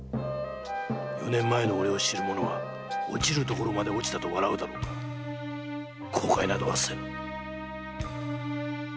四年前の俺を知る者は堕ちるところまで堕ちたと笑うだろうが後悔などはせぬ